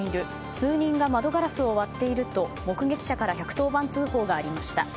数人が窓ガラスを割っていると目撃者から１１０番通報がありました。